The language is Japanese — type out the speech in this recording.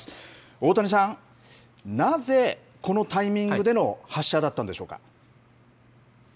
大谷さん、なぜこのタイミングでの発射だったんでしょうか。